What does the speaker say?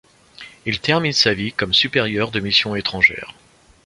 Il termine sa vie comme supérieur de Missions étrangères.